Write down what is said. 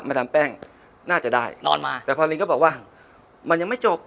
ทำแป้งน่าจะได้นอนมาแต่พอลินก็บอกว่ามันยังไม่จบ